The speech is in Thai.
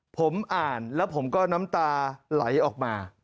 ผมอ่านแล้วผมก็น้ำตาไหลออกมา